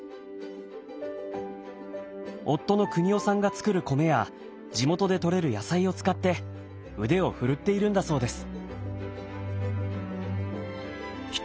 夫の邦夫さんが作る米や地元でとれる野菜を使って腕を振るっているんだそうです。